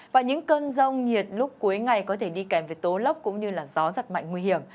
và những cơn rông nhiệt lúc cuối ngày có thể đi kèm với tố lốc cũng như gió giật mạnh nguy hiểm